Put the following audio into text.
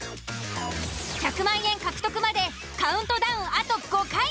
１００万円獲得までカウントダウンあと５回。